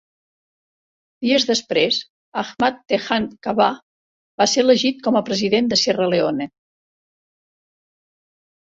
Dies després, Ahmad Tejan Kabbah va ser elegit com a president de Sierra Leone.